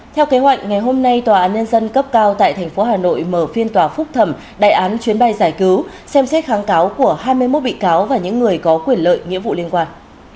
theo kế hoạch ngày hôm nay tòa án nhân dân cấp cao tại tp hà nội mở phiên tòa phúc thẩm đại án chuyến bay giải cứu xem xét kháng cáo của hai mươi một bị cáo và những người có quyền lợi nghĩa vụ liên quan